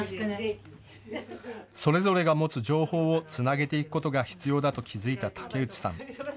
それぞれが持つ情報をつなげていくことが必要だと気付いた竹内さん。